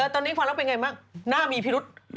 ตอนนี้ความรักเป็นยังไงมากหน้ามีพิรุษ